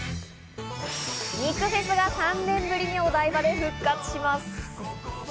肉フェスが３年ぶりにお台場で復活します。